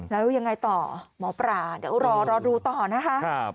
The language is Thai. แล้วยังไงต่อหมอปลาเดี๋ยวรอดูต่อนะคะ